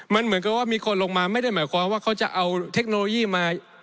มันเหมือนกับว่ามีคนลงมาไม่ได้หมายความว่าเขาจะเอาเทคโนโลยีมา